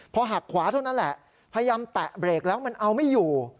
พอหักขวาเท่านั้นแหละพยายามแตะเบรกแล้วมันเอาไม่อยู่